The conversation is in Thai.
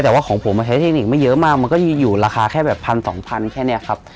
แต่ว่าของผมใช้เทคนิคไม่เยอะมากมันก็อยู่ราคาแค่แบบพันสองพันแค่นี้ครับ